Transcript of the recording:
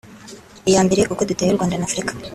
Iya mbere uko duteye u Rwanda na Afrika